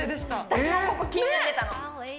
私もここ気になってたの。